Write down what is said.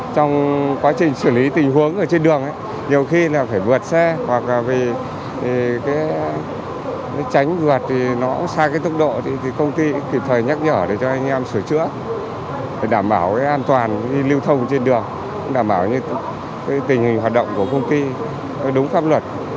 các doanh nghiệp đảm bảo tình hình hoạt động của công ty đúng pháp luật